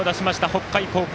北海高校。